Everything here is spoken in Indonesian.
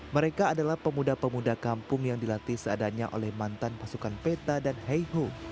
mereka adalah pemuda pemuda kampung yang dilatih seadanya oleh mantan pasukan peta dan heihu